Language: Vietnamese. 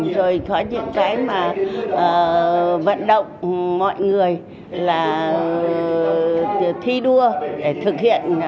rồi có những cái mà vận động mọi người là thi đua để thực hiện